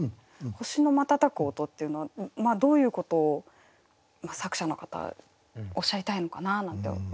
「星のまたたく音」っていうのはどういうことを作者の方おっしゃりたいのかななんて思ったんですけど。